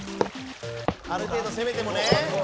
ある程度攻めてもね。